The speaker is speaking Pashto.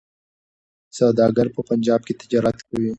سوداګر په پنجاب کي تجارت کوي.